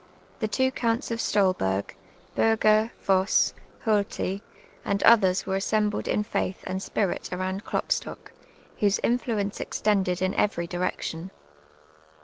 The two Counts Siolberg» Bi'irirer, Voss, Holtv, and others were assembled in faith and t^pirit around Klopstock, whose influence extended in every direction.